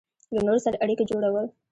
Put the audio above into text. له نورو سره اړیکې جوړول